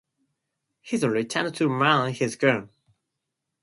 He then returned to man his gun.